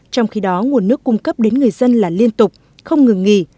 trong khi đó nguồn nước cung cấp đến người dân là liên tục không ngừng nghỉ